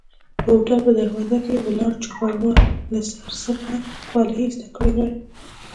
د هوټل په دروازه کې ولاړ چوپړوال له سر څخه خولۍ ایسته کړي وای.